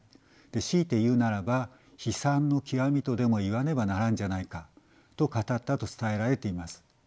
強いて言うならば悲惨の極みとでも言わねばならんじゃないか」と語ったと伝えられています。